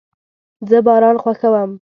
زه باران خوښوم